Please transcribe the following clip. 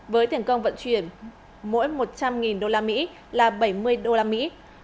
với tiền công vận chuyển mỗi một trăm linh đô la mỹ là bảy mươi đô la mỹ